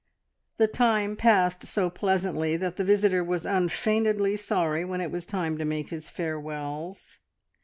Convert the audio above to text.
The time passed so pleasantly that the visitor was unfeignedly sorry when it was time to make his farewells.